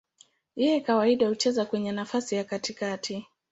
Yeye kawaida hucheza kwenye nafasi ya katikati.